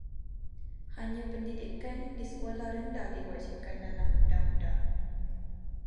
Hanya pendidikan di sekolah rendah diwajibkan dalam undang-undang.